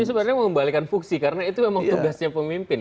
ini sebenarnya mengembalikan fungsi karena itu memang tugasnya pemimpin